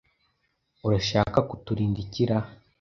Urashaka kuturinda iki ra?